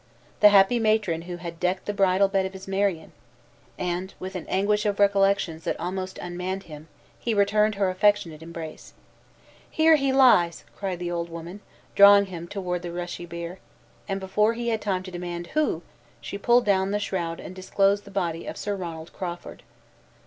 the happy matron who had decked the bridal bed of his Marion! and with an anguish of recollections that almost unmanned him, he returned her affectionate embrace. "Here he lies!" cried the old woman, drawing him toward the rushy bier; and before he had time to demand, "Who?" she pulled down the shroud and disclosed the body of Sir Ronald Crawford.